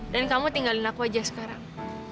dan kamu tinggalin aku aja sekarang